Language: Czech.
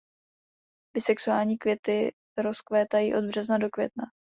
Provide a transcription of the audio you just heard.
Bisexuální květy rozkvétají od března do května.